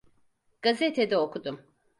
Gazetede okudum.